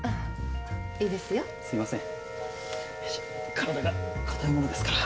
体が硬いものですから。